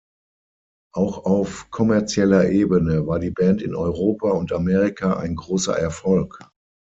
Auch auf kommerzieller Ebene war die Band in Europa und Amerika ein großer Erfolg.